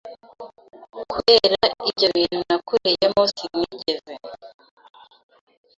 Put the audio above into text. Kubera ibyo bintu nakuriyemo sinigeze